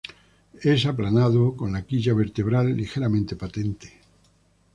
Es aplanado, con la quilla vertebral ligeramente patente.